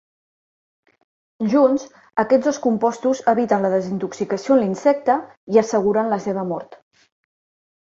Junts, aquests dos compostos eviten la desintoxicació en l'insecte, i asseguren la seva mort.